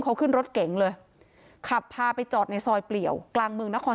เขาขึ้นรถเก๋งเลยขับพาไปจอดในซอยเปลี่ยวกลางเมืองนคร